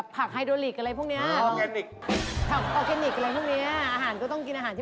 ผักไฮโดริกอะไรพวกนี้